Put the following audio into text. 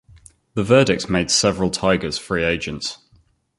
The verdict made several Tigers free agents.